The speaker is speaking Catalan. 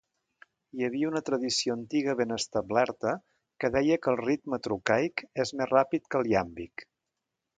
Hi havia una tradició antiga ben establerta que deia que el ritme trocaic és més ràpid que el iàmbic.